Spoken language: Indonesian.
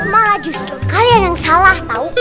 malah justru kalian yang salah tau